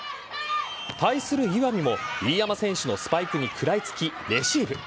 対する岩美も飯山選手のスパイクに食らいつきレシーブ。